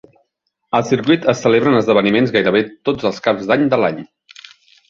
Al circuit es celebren esdeveniments gairebé tots els caps d"any de l"any.